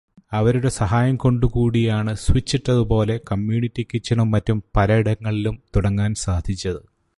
അവരുടെ സഹായം കൊണ്ടു കൂടിയാണ് സ്വിച്ചട്ടത് പോലെ കമ്മ്യൂണിറ്റി കിച്ചനും മറ്റും പലയിടങ്ങളിലും തുടങ്ങാൻ സാധിച്ചത്.